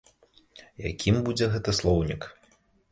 Якім будзе гэты слоўнік?